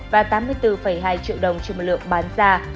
và tám mươi bốn hai triệu đồng trên một lượng bán ra